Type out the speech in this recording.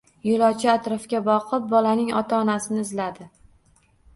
Yo`lovchi atrofga boqib, bolaning ota-onasini izladi